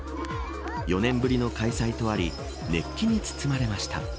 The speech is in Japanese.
４年ぶりの開催とあり熱気に包まれました。